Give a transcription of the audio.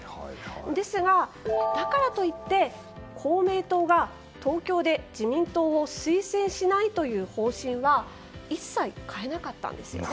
ですが、だからといって公明党が東京で自民党を推薦しないという方針は一切変えなかったんですよね。